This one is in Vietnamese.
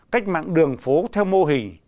cách mạng đường phố theo mô hình